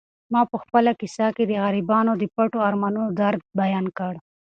ما په خپله کیسه کې د غریبانو د پټو ارمانونو درد بیان کړ.